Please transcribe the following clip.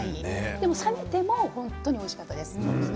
でも冷めても本当においしかったです。